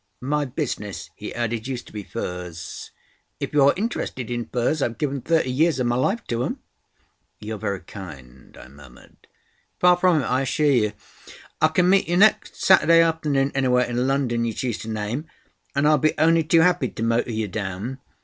"My business," he added, "used to be furs. If you are interested in furs—I've given thirty years of my life to 'em." "You're very kind," I murmured. "Far from it, I assure you. I can meet you next Saturday afternoon anywhere in London you choose to name, and I'll be only too happy to motor you down.